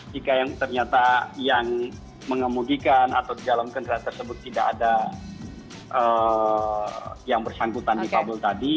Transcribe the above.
jika yang ternyata yang mengemudikan atau di dalam kendaraan tersebut tidak ada yang bersangkutan difabel tadi